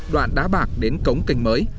đoạn đá bạc đến cống cành mới